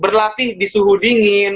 berlatih di suhu dingin